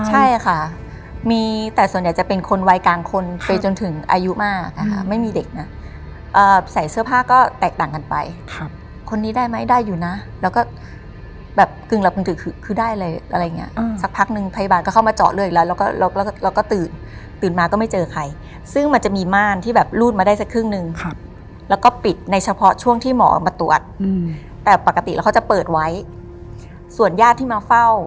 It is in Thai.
ใช่ค่ะมีแต่ส่วนใหญ่จะเป็นคนวายกลางคนไปจนถึงอายุมากไม่มีเด็กนะใส่เสื้อผ้าก็แตกต่างกันไปคนนี้ได้ไหมได้อยู่นะแล้วก็แบบกึ่งระบุงถือคือได้เลยอะไรอย่างนี้สักพักนึงพยาบาลก็เข้ามาเจาะเลือดอีกแล้วเราก็ตื่นตื่นมาก็ไม่เจอใครซึ่งมันจะมีม่านที่แบบรูดมาได้สักครึ่งนึงแล้วก็ปิดในเฉพาะช่วงที่หมอมาตร